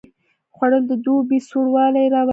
خوړل د دوبي سوړ والی راولي